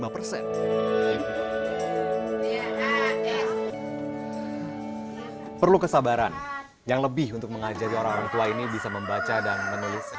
perlu kesabaran yang lebih untuk mengajari orang orang tua ini bisa membaca dan menulis